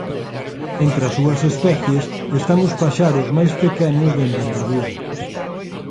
Entre as súas especies están os paxaros máis pequenos de envergadura.